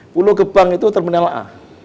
pulau gebang itu terminal a